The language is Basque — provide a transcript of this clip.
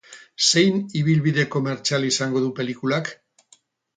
Zein ibilbide komertzial izango du pelikulak?